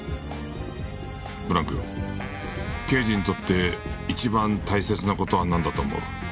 ブランク刑事にとって一番大切な事はなんだと思う？